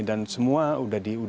dan semua sudah di atas